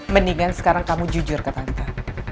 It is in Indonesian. mendingan sekarang kamu jujur ke tante